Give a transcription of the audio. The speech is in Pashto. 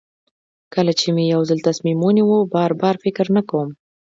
کله چې مې یو ځل تصمیم ونیو بار بار فکر نه کوم.